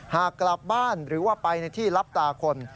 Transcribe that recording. หากกลับบ้านหรือว่าไปในที่รับตาคน